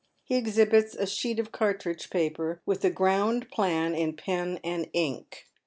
He exhibits a sheet of cartridge paper, with a ground plan in pen and ink.